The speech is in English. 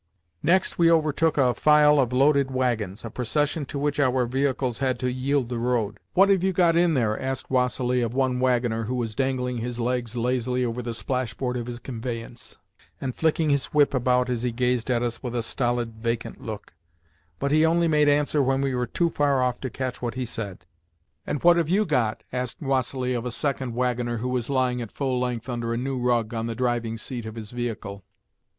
Next we overtook a file of loaded waggons—a procession to which our vehicles had to yield the road. "What have you got in there?" asked Vassili of one waggoner who was dangling his legs lazily over the splashboard of his conveyance and flicking his whip about as he gazed at us with a stolid, vacant look; but he only made answer when we were too far off to catch what he said. "And what have you got?" asked Vassili of a second waggoner who was lying at full length under a new rug on the driving seat of his vehicle.